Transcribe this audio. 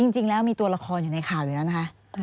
จริงแล้วมีตัวละครอยู่ในข่าวอยู่แล้วนะคะ